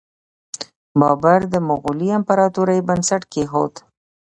بابر د مغولي امپراتورۍ بنسټ کیښود.